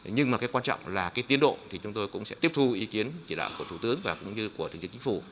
nhưng mà cái quan trọng là cái tiến độ thì chúng tôi cũng sẽ tiếp thu ý kiến chỉ đạo của thủ tướng và cũng như của thủ tướng chính phủ